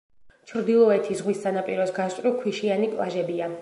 ჩრდილოეთი ზღვის სანაპიროს გასწვრივ ქვიშიანი პლაჟებია.